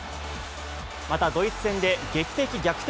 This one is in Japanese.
またドイツ戦で劇的逆転